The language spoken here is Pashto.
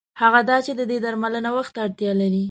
هغه دا چې د دې درملنه وخت ته اړتیا لري.